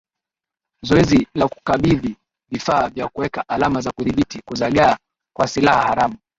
zoezi la kukabidhi vifaa vya kuweka alama na kudhibiti kuzagaa kwa silaha haramu